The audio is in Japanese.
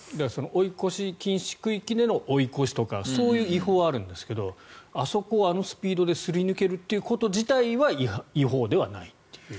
追い越し禁止区域での追い越しとかそういう違法はあるんですけどあそこをあのスピードですり抜けるということ自体は違法ではないという。